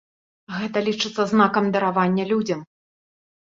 Гэта лічыцца знакам даравання людзям.